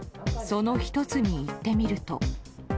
その１つに行ってみると。